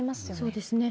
そうですね。